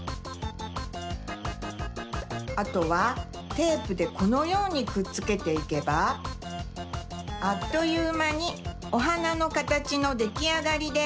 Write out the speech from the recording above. あとはテープでこのようにくっつけていけばあっというまにおはなのかたちのできあがりです。